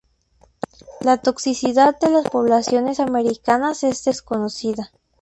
La toxicidad de las poblaciones americanas es desconocida.